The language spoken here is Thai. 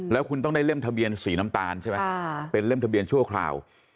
แล้วคุณต้องได้เล่มทะเบียนสีน้ำตาลใช่ไหมเป็นเล่มทะเบียนชั่วคราว